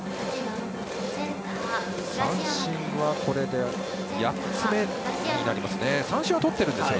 三振はこれで８つ目になります。